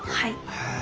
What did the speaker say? へえ。